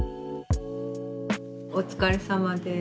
お疲れさまです。